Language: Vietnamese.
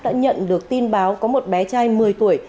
đã nhận được tin báo có một bé trai một mươi tuổi